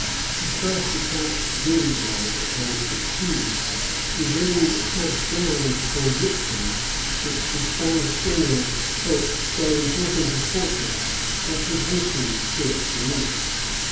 He first attacked Doesberg, and succeeded: he then sat down before Zutphen, which the Spanish general thought so important a fortress, that he hastened to its relief.